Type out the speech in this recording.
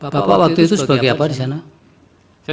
bapak waktu itu sebagai apa disana